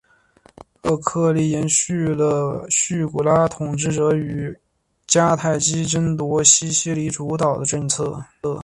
阿加托克利斯延续了叙拉古统治者与迦太基争夺西西里主导的政策。